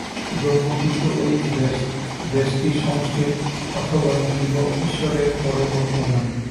ব্রহ্ম কিন্তু ঐ ব্যষ্টি-সমষ্টির অথবা জীব ও ঈশ্বরের পারে বর্তমান।